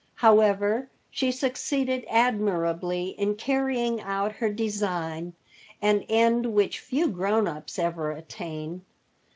However, she succeeded admirably in carrying out her design, an end which few grown ups ever attain.